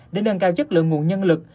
để nâng cao chất lượng nguồn nhân lực